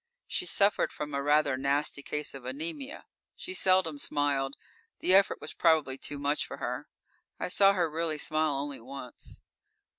She suffered from a rather nasty case of anemia. She seldom smiled; the effort was probably too much for her. I saw her really smile only once.